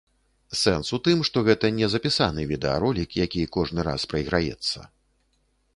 Сэнс у тым, што гэта не запісаны відэаролік, які кожны раз прайграецца.